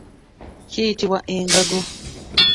Kiyitibwa engango.